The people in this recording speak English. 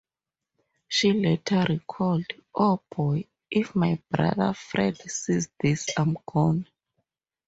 She later recalled: "Oh boy, if my brother Fred sees this-I'm gone".